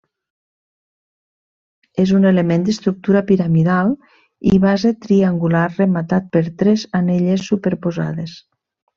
És un element d'estructura piramidal i base triangular rematat per tres anelles superposades.